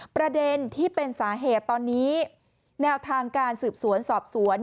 ประเด็นที่เป็นสาเหตุตอนนี้แนวทางการสืบสวนสอบสวน